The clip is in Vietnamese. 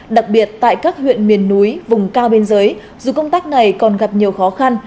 đặc biệt tại các huyện miền núi vùng cao biên giới dù công tác này còn gặp nhiều khó khăn